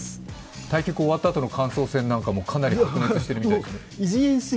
対局終わったあとの感想戦なんかもかなり白熱しているみたいですね。